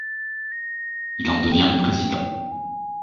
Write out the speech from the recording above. Il en devient le président.